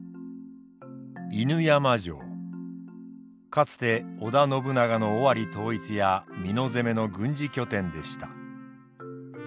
かつて織田信長の尾張統一や美濃攻めの軍事拠点でした。